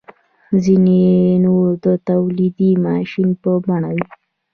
ځینې نور د تولیدي ماشین په بڼه وي.